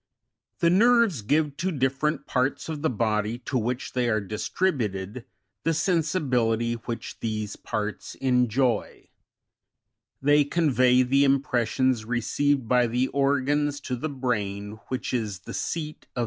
The nerves give to different parts of the body to which they are distributed, the sensibility which these parts enjoy. They convey the impressions received by the organs to the brain, which is the seat of the perception of sensations. 15.